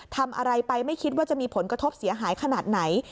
ทำอะไรไปไม่คิดว่าจะมีผลกระทบเสียหายขนาดไหน